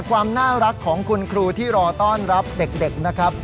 ความน่ารักของคุณครูที่รอต้อนรับเด็กนะครับ